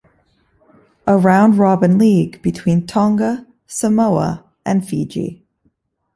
A round robin league between Tonga, Samoa and Fiji.